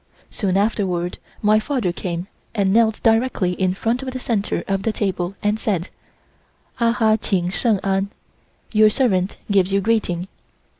Soon afterward my father came and knelt directly in front of the centre of the table and said, "Ah ha Ching Sheng An" (Your servant gives you greeting).